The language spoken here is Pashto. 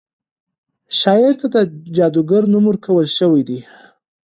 شاعر ته د جادوګر نوم ورکړل شوی دی.